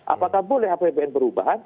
apakah boleh apbn perubahan